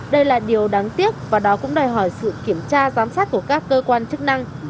đây là điều đáng tiếc và đó cũng đòi hỏi sự kiểm tra giám sát của các cơ quan chức năng